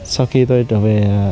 sau khi tôi trở về